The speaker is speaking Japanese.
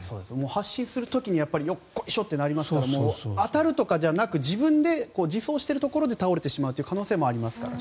発進する時によっこいしょってなりますから当たるとかじゃなく自分で、自走してるところで倒れてしまうという可能性もありますからね。